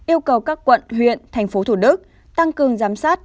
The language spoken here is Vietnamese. yêu cầu các quận huyện thành phố thủ đức tăng cường giám sát